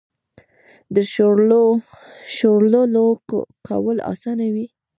د شولو لو کول اسانه وي.